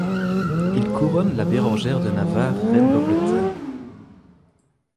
Il couronne le Bérengère de Navarre reine d'Angleterre.